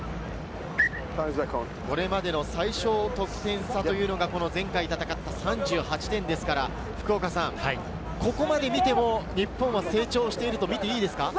これまでの最小得点差が前回戦った３８点ですから、ここまでを見ても日本は成長していると見ていいですか？